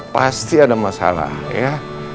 pasti ada masalah ya